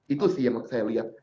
itu sih yang saya lihat